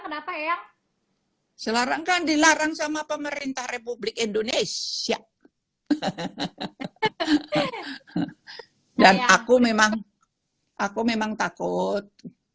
kenapa ya selarangkan dilarang sama pemerintah republik indonesia dan aku memang aku memang takut